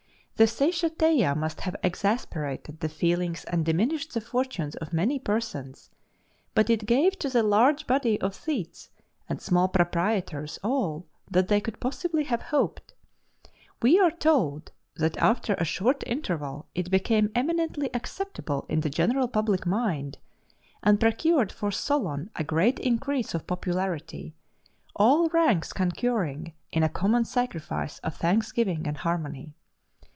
The Seisachtheia must have exasperated the feelings and diminished the fortunes of many persons; but it gave to the large body of Thetes and small proprietors all that they could possibly have hoped. We are told that after a short interval it became eminently acceptable in the general public mind, and procured for Solon a great increase of popularity all ranks concurring in a common sacrifice of thanksgiving and harmony.